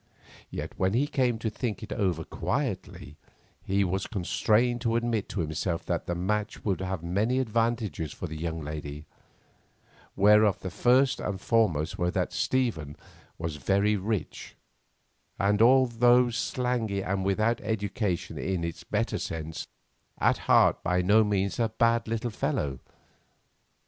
Yet when he came to think it over quietly he was constrained to admit to himself that the match would have many advantages for the young lady, whereof the first and foremost were that Stephen was very rich, and although slangy and without education in its better sense, at heart by no means a bad little fellow.